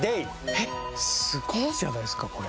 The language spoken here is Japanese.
えっすごいじゃないですかこれ。